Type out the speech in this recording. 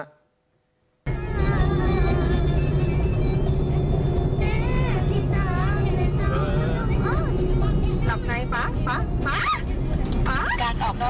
หลับไหนฟ้าฟ้าฟ้า